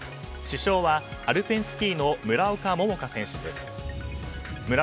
主将はアルペンスキーの村岡桃佳選手です。